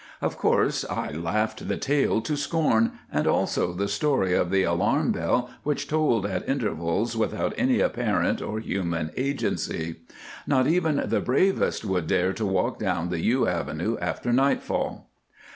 Of course, I laughed the tale to scorn, and also the story of the alarm bell which tolled at intervals without any apparent or human agency. Not even the bravest would dare to walk down the yew avenue after nightfall.